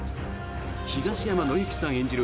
東山紀之さん演じる